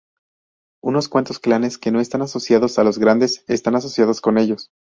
Unos cuantos clanes que no están asociados a los grandes están asociados con ellos.